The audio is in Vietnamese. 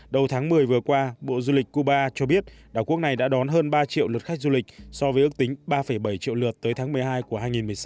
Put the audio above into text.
đầu tháng một mươi vừa qua bộ du lịch cuba cho biết đảo quốc này đã đón hơn ba triệu lượt khách du lịch so với ước tính ba bảy triệu lượt tới tháng một mươi hai của hai nghìn một mươi sáu